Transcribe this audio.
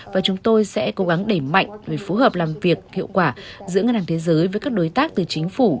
và chúng tôi sẽ cố gắng đẩy mạnh để phù hợp làm việc hiệu quả giữa ngân hàng thế giới với các đối tác từ chính phủ